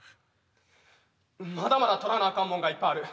まだまだ撮らなあかんもんがいっぱいある。